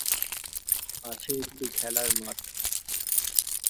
আছে একটি খেলার মাঠ।